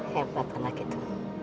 hebat anak itu